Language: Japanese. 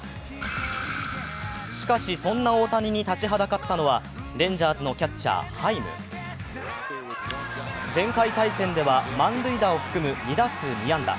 しかし、そんな大谷に立ちはだかったのはレンジャーズのキャッチー・ハイム前回対戦では満塁打を含む２打数２安打。